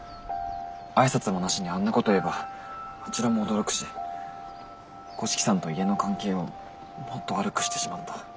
挨拶もなしにあんなこと言えばあちらも驚くし五色さんと家の関係をもっと悪くしてしまった。